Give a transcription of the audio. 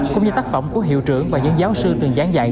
cũng như tác phẩm của hiệu trưởng và những giáo sư từng gián dạy